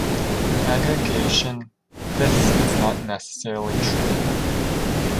In aggregation, this is not necessarily true.